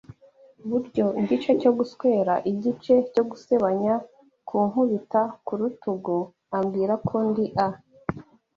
buryo, igice cyo guswera, igice cyo gusebanya, kunkubita ku rutugu, ambwira ko ndi a